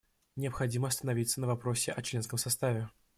Необходимо остановиться на вопросе о членском составе.